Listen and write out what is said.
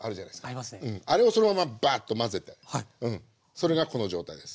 それがこの状態です。